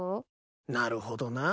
なるほどな。